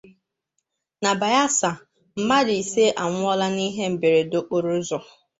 Na Bayelsa, Mmadụ Ise Anwụọla n'Ihe Mberede Okporoụzọ